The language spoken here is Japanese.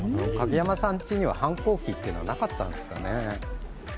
鍵山さんには反抗期っていうのはなかったんですかね。